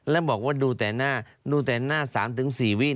แล้วบอกว่าดูแต่หน้า๓๔วินาที